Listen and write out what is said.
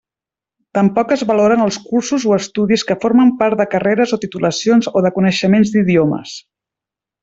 Tampoc es valoren els cursos o estudis que formen part de carreres o titulacions o de coneixements d'idiomes.